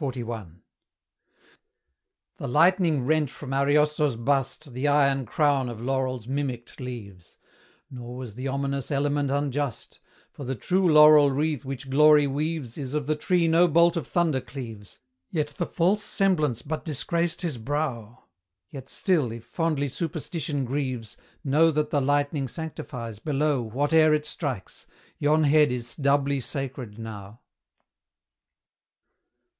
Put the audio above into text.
XLI. The lightning rent from Ariosto's bust The iron crown of laurel's mimicked leaves; Nor was the ominous element unjust, For the true laurel wreath which Glory weaves Is of the tree no bolt of thunder cleaves, And the false semblance but disgraced his brow; Yet still, if fondly Superstition grieves, Know that the lightning sanctifies below Whate'er it strikes; yon head is doubly sacred now.